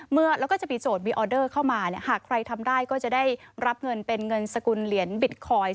แล้วก็จะมีโจทย์มีออเดอร์เข้ามาหากใครทำได้ก็จะได้รับเงินเป็นเงินสกุลเหรียญบิตคอยน์